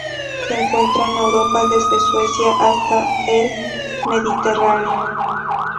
Se encuentra en Europa desde Suecia hasta el Mediterráneo.